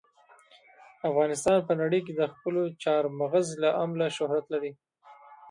افغانستان په نړۍ کې د خپلو چار مغز له امله شهرت لري.